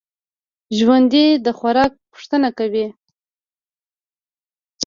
ژوندي د خوراک پوښتنه کوي